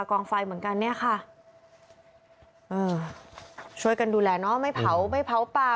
กองไฟเหมือนกันเนี่ยค่ะเออช่วยกันดูแลเนอะไม่เผาไม่เผาป่า